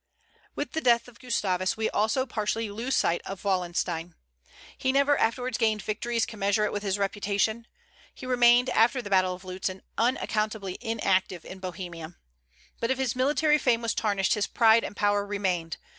With the death of Gustavus we also partially lose sight of Wallenstein. He never afterwards gained victories commensurate with his reputation. He remained, after the battle of Lutzen, unaccountably inactive in Bohemia. But if his military fame was tarnished, his pride and power remained.